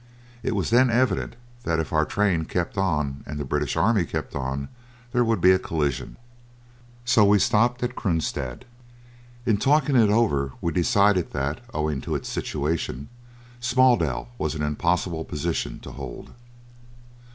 It was then evident that if our train kept on and the British army kept on there would be a collision. So we stopped at Kroonstad. In talking it over we decided that, owing to its situation, Smaaldel was an impossible position to hold.